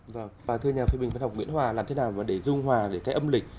và thưa nhà phi bình phát học nguyễn hòa làm thế nào để dung hòa để cái âm lịch